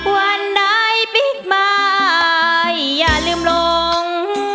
วันใดปิดหมายอย่าลืมลง